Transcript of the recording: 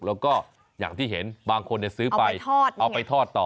แล้วก็อย่างที่เห็นบางคนซื้อไปเอาไปทอดต่อ